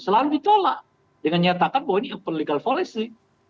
selalu ditolak dengan nyatakan bahwa ini open legal policy